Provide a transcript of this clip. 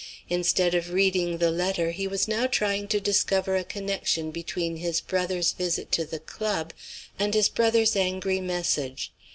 Instead of reading the letter, he was now trying to discover a connection between his brother's visit to the club and his brother's angry message.